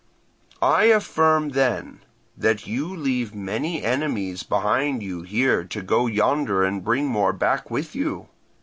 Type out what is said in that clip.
"I affirm, then, that you leave many enemies behind you here to go yonder and bring more back with you.